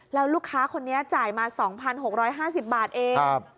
แล้วลูกค้าคนนี้จ่ายมา๒๖๕๐บาทเอง